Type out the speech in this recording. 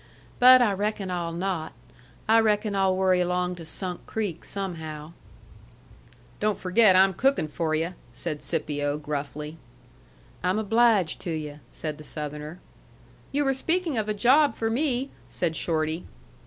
But I reckon I'll not. I reckon I'll worry along to Sunk Creek, somehow." "Don't forget I'm cookin' for yu'," said Scipio, gruffy. "I'm obliged to yu'," said the Southerner. "You were speaking of a job for me," said Shorty.